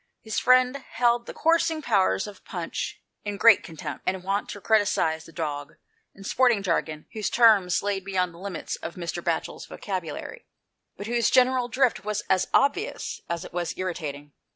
His friend held the coursing powers of Punch in great contempt, and was wont to criticise the dog in sporting jargon, whose terms lay beyond the limits of 163 G HOST TALES. Mr. Batchers vocabulary, but whose general drift was as obvious as it was irritating.